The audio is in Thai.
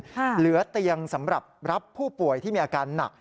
เหลือเตียงสำหรับรับผู้ป่วยที่มีอาการหนัก